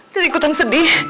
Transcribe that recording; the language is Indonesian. jadi ikutan sedih